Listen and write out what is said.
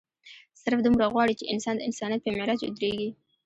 صرف دومره غواړي چې انسان د انسانيت پۀ معراج اودريږي